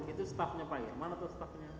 itu staffnya pak yaman atau staffnya